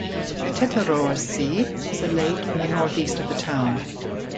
The Teterower See is a lake in the north-east of the town.